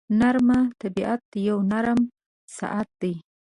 غرمه د طبیعت یو نرم ساعت دی